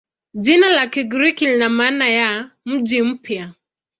Jina la Kigiriki lina maana ya "mji mpya".